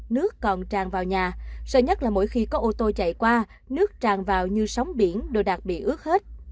nước tràn vào như sóng biển đồ đạc bị ướt hết